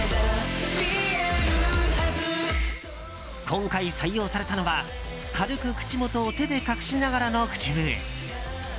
今回採用されたのは軽く口元を手で隠しながらの口笛。